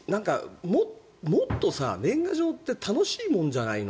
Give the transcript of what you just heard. もっと年賀状って楽しいものじゃないの？